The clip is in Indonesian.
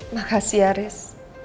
makasih ya haris